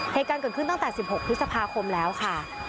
เหตุการณ์เกิดขึ้นตั้งแต่๑๖พฤษภาคมแล้วค่ะ